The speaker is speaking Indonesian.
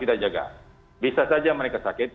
kita jaga bisa saja mereka sakit